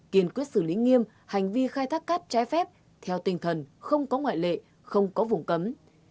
kiên quyết xử lý nghiêm hành vi khai thác cát trái phép theo tinh thần không có ngoại lệ không có vùng cấm